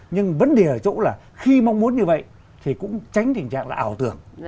nhưng vấn đề ở chỗ là khi mong muốn như vậy thì cũng tránh tình trạng là ảo tưởng